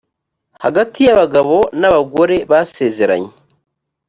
hagati y abagabo n abagore basezeranye